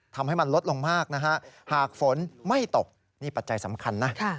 ทำให้มันลดลงมากนะฮะหากฝนไม่ตกนี่ปัจจัยสำคัญนะ